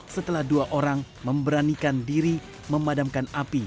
setelah dua orang memberanikan diri memadamkan api